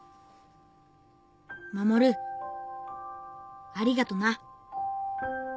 護ありがとな。